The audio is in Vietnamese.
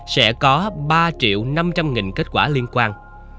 sẽ có ba triệu năm trăm linh nghìn kết quả liên quan